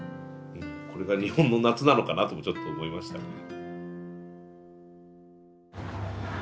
これが日本の夏なのかなともちょっと思いましたね。